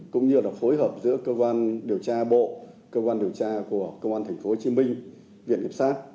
các cơ quan điều tra bộ cơ quan điều tra của công an tp hcm viện hiệp sát